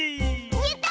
やった！